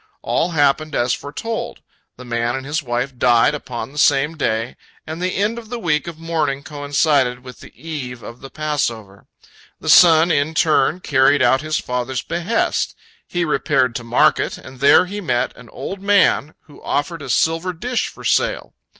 All happened as foretold: the man and his wife died upon the same day, and the end of the week of mourning coincided with the eve of the Passover. The son in turn carried out his father's behest: he repaired to market, and there he met an old man who offered a silver dish for sale.